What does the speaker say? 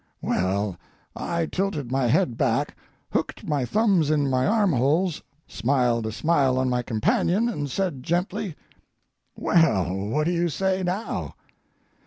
Well, I tilted my head back, hooked my thumbs in my armholes, smiled a smile on my companion, and said, gently: "Well, what do you say now?"